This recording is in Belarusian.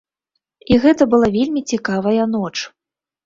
І гэта была вельмі цікавая ноч.